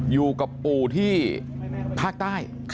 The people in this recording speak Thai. อยู่กับปู่ที่ภาคใต้